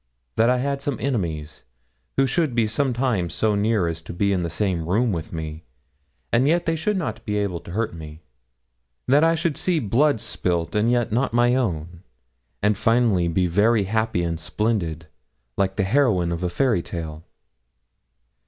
That I had some enemies, who should be sometimes so near as to be in the same room with me, and yet they should not be able to hurt me. That I should see blood spilt and yet not my own, and finally be very happy and splendid, like the heroine of a fairy tale.